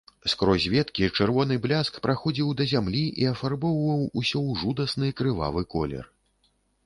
Скрозь веткі чырвоны бляск праходзіў да зямлі і афарбоўваў усё ў жудасны крывавы колер.